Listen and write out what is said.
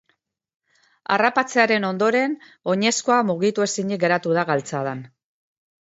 Harrapatzearen ondoren, oinezkoa mugitu ezinik geratu da galtzadan.